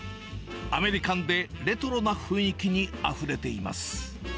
アメリカンでレトロな雰囲気にあふれています。